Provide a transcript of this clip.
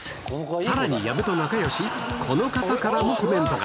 さらに矢部と仲よし、この方からもコメントが。